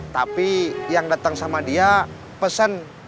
tapi yang datang sama dia pesan